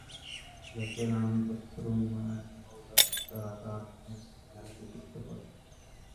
দেখলেন, আনন্দাশ্রু ঈমানের নূর দ্বারা তাঁর নির্মল চেহারাকে সিক্ত করছে।